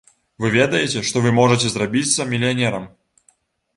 Вы ведаеце, што вы можаце зрабіцца мільянерам?